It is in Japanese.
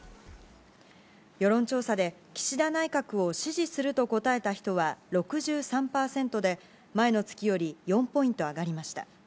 世論調査で、岸田内閣を支持すると答えた人は、６３％で、前の月より４ポイント上がりました。